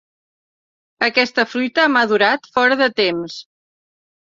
Aquesta fruita ha madurat fora de temps.